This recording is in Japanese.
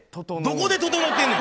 どこで、ととのってんねん。